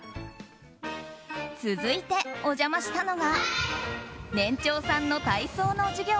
続いてお邪魔したのが年長さんの体操の授業。